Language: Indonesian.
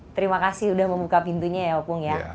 terima kasih sudah membuka pintunya ya opung ya